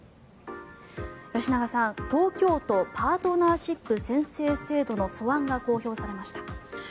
吉永さん、東京都パートナーシップ宣誓制度の素案が公表されました。